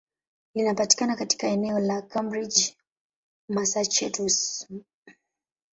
Linapatikana katika eneo la Cambridge, Massachusetts.